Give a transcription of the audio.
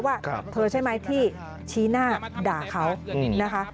ว่าเธอใช่ไหมที่ชี้หน้าด่าเขานะคะ